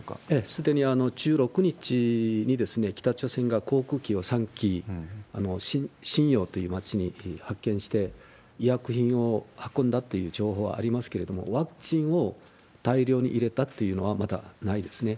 すでに１６日に、北朝鮮が航空機を３機、瀋陽という町に派遣して、医薬品を運んだという情報はありますけれども、ワクチンを大量に入れたというのはまだないですね。